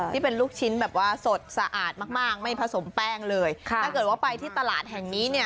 ที่เป็นลูกชิ้นแบบว่าสดสะอาดมากมากไม่ผสมแป้งเลยค่ะถ้าเกิดว่าไปที่ตลาดแห่งนี้เนี่ย